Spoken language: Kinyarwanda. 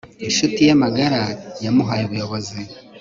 inshuti ye magara yamuhaye ubuyobozi